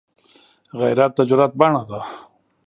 غیرت د جرئت بڼه ده